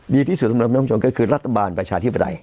ดีที่สุดสำหรับน้องผู้ชมก็คือรัฐบาลประชาธิปไตย